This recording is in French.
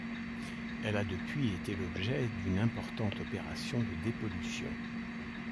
Elle a depuis été l'objet d'une importante opération de dépollution.